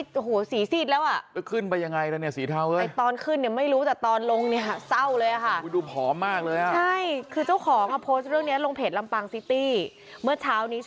เจ้าสีเทาจนตอนนี้สีสีดแล้ว